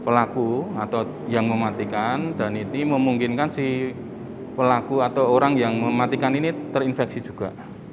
pelaku atau yang mematikan dan itu memungkinkan si pelaku atau orang yang mematikan ini terinfeksi juga